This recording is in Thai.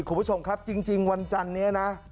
คุณผู้ชมครับจริงวันจันนี้นะ